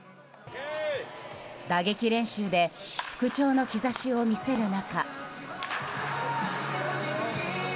打撃練習で復調の兆しを見せる中。